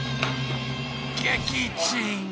撃沈！